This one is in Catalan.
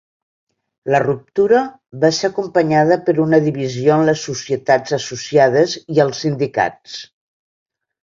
La ruptura va ser acompanyada per una divisió en les societats associades i els sindicats.